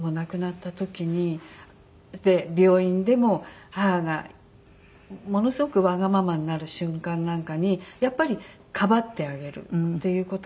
で病院でも母がものすごくわがままになる瞬間なんかにやっぱりかばってあげるっていう事が。